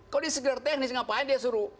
kalau dia sekedar teknis ngapain dia suruh